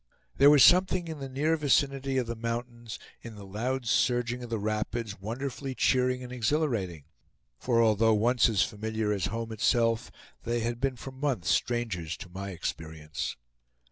There was something in the near vicinity of the mountains, in the loud surging of the rapids, wonderfully cheering and exhilarating; for although once as familiar as home itself, they had been for months strangers to my experience.